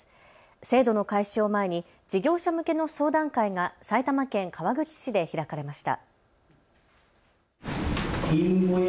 制度の開始を前に事業者向けの相談会が埼玉県川口市で開かれました。